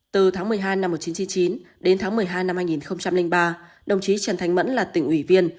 từ tháng một mươi hai năm một nghìn chín trăm chín mươi chín đến tháng một mươi hai năm hai nghìn ba đồng chí trần thanh mẫn là tỉnh ủy viên